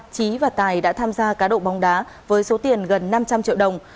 trí và tài đã tham gia cá độ bóng đá với số tiền gần năm trăm linh triệu đồng